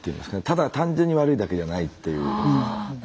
ただ単純に悪いだけじゃないという。